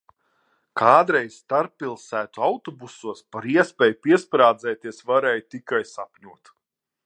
Kādreiz starppilsētu autobusos par iespēju piesprādzēties varēja tikai sapņot.